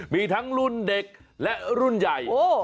มีทั้งรุ่นเด็กและรุ่นใหญ่